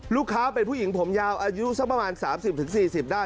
ลูกค้าเป็นผู้หญิงผมยาวอายุสักประมาณ๓๐๔๐ได้